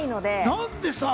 何でさ？